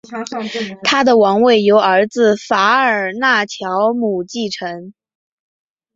他的王位由儿子法尔纳乔姆继承。